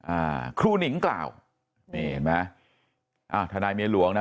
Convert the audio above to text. อ่าครูหนิงกล่าวนี่เห็นไหมอ่าทนายเมียหลวงนะ